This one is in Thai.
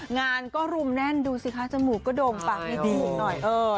งานก็รุมแน่นดูสิคะจมูกกระโดมปากนิดหนึ่งหน่อย